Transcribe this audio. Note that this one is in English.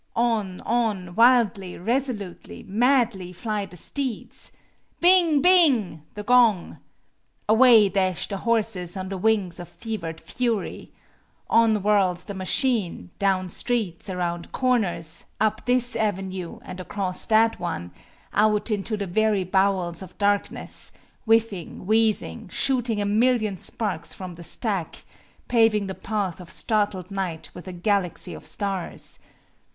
On, on, wildly, resolutely, madly fly the steeds. Bing! Bing! the gong. Away dash the horses on the wings of fevered fury. On whirls the machine, down streets, around corners, up this avenue and across that one, out into the very bowels of darkness, whiffing, wheezing, shooting a million sparks from the stack, paving the path of startled night with a galaxy of stars.